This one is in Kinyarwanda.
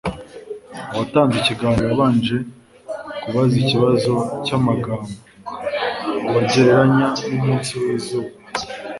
uwatanze ikiganiro yabanje kubaza ikibazo cyamagambo ubagereranya numunsi wizuba